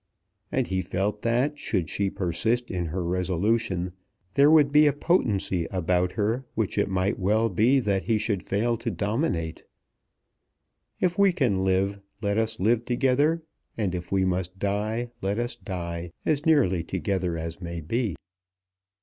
And he felt that should she persist in her resolution there would be a potency about her which it might well be that he should fail to dominate. If we can live, let us live together; and if we must die, let us die, as nearly together as may be.